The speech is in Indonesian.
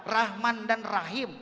rahman dan rahim